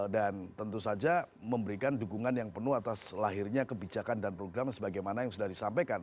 dan tentu saja memberikan dukungan yang penuh atas lahirnya kebijakan dan program sebagaimana yang sudah disampaikan